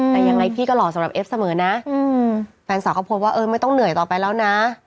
แต่ยังไงพี่ก็หล่อสำหรับเอฟเสมอนะแฟนสาวก็โพสต์ว่าเออไม่ต้องเหนื่อยต่อไปแล้วนะ